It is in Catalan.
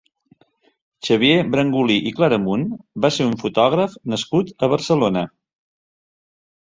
Xavier Brangulí i Claramunt va ser un fotògraf nascut a Barcelona.